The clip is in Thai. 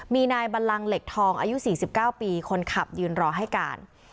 มีนายบัลลังเหล็กทองอายุ๔๙ปีคนขับยืนรอให้การ